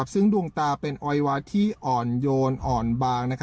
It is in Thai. ซึ่งดวงตาเป็นออยวาที่อ่อนโยนอ่อนบาง